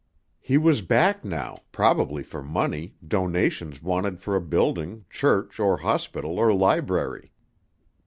He was back now, probably for money, donations wanted for a building, church or hospital or library.